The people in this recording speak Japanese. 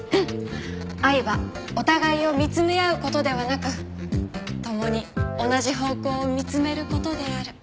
愛はお互いを見つめ合う事ではなく共に同じ方向を見つめる事である。